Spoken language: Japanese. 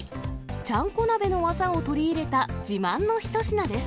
ちゃんこ鍋の技を取り入れた自慢の一品です。